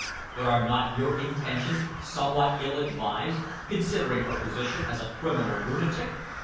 "But are not your intentions somewhat ill advised considering her position as a criminal lunatic?"